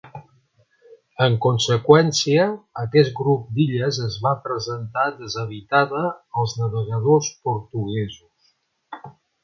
En conseqüència, aquest grup d'illes es va presentar deshabitada als navegadors portuguesos.